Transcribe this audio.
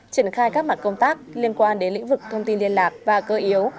triển khai các mặt công tác liên quan đến lĩnh vực thông tin liên lạc và cơ yếu